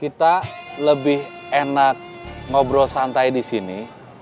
kita lebih enak ngobrol santai disini